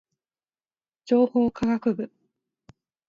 情報科学部